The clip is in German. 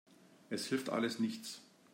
Es hilft alles nichts.